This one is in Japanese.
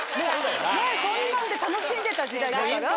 そんなんで楽しんでた時代だから。